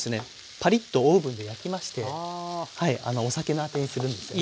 パリッとオーブンで焼きましてお酒のあてにするんですよね。